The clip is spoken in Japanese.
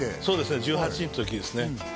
そうですね１８の時ですね